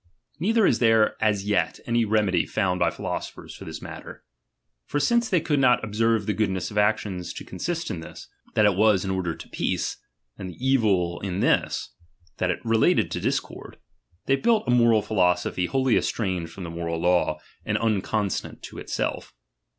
Neither is there as yet any remedy found by phi losophers for this matter. For since they could not observe the goodness of actions to consist in this. LIBERTY. 49 that it was in order to peace, and the evil in this, chap, hr that it related to discord, they built a moral phi losophy wholly estranged from the moral law, and imconstant to itself.